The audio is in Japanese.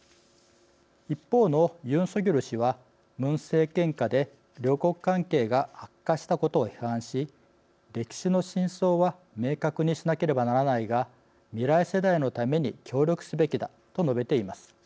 一方のユン・ソギョル氏はムン政権下で両国関係が悪化したことを批判し「歴史の真相は明確にしなければならないが未来世代のために協力すべきだ」と述べています。